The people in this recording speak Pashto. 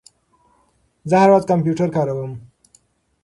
زه هره ورځ کمپیوټر کاروم.